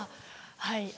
はい。